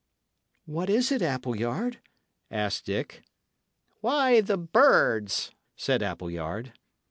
"What is it, Appleyard?" asked Dick. "Why, the birds," said Appleyard.